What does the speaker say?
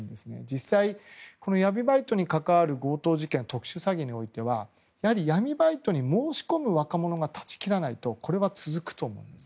実際、闇バイトに関わる強盗事件、特殊詐欺についてはやはり闇バイトに申し込む若者を断ち切らないと続くと思います。